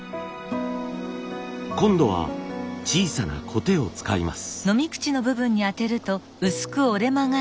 今度は小さなコテを使います。